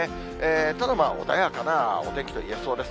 ただ、穏やかなお天気といえそうです。